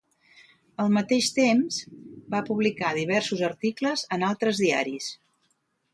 Al mateix temps, va publicar diversos articles en altres diaris.